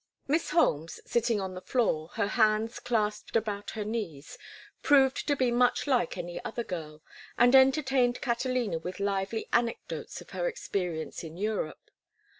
Miss Holmes, sitting on the floor, her hands clasped about her knees, proved to be much like any other girl, and entertained Catalina with lively anecdotes of her experience in Europe.